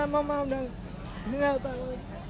mama udah gak tau